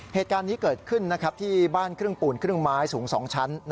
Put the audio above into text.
เหตุการณ์นี้เกิดขึ้นที่บ้านครึ่งปูนครึ่งไม้สูง๒ชั้น